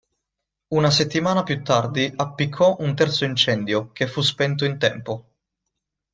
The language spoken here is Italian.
Una settimana più tardi appiccò un terzo incendio che fu spento in tempo.